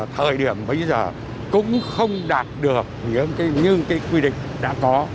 thời điểm bây giờ cũng không đạt được những cái quy định đã có